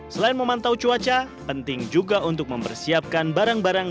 selain memantau cuaca penting juga untuk mempersiapkan barang barang